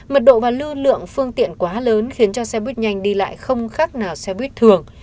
mật độ và lưu lượng phương tiện quá lớn khiến cho xe buýt nhanh đi lại không khác nào xe buýt thường